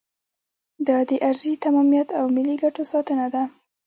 دا د ارضي تمامیت او ملي ګټو ساتنه ده.